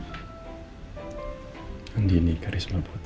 di dunia ini ada yang lebih indah dan cantik daripada beliau